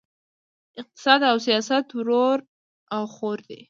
اقتصاد او سیاست ورور او خور دي!